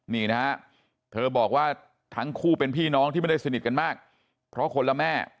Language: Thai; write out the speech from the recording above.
นี่นะฮะเธอบอกว่าทั้งคู่เป็นพี่น้องที่ไม่ได้สนิทกันมากเพราะคนละแม่